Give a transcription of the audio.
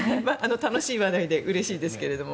楽しい話題でうれしいですけども。